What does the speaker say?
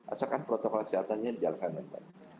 asalkan protokol kesehatannya dijalankan dengan baik